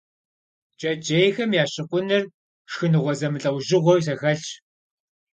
Джэджьейхэм я щыкъуныр шхыныгъуэ зэмылӀэужьыгъуэу зэхэлъщ.